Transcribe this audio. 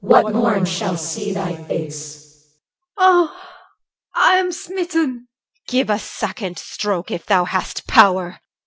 What morn shall see thy face? CLY. (within). Oh, I am smitten! EL. Give a second stroke, If thou hast power.